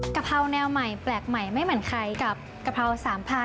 กะเพราแนวใหม่แปลกใหม่ไม่เหมือนใครกับกะเพราสามพา